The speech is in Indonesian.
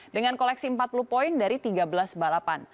dengan koleksi empat puluh poin dari tiga belas balapan